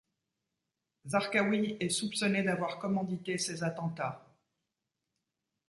Zarkawi est soupçonné d'avoir commandité ces attentats.